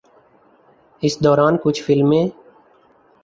اس دوران کچھ فلمیں